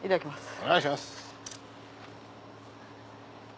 お願いします。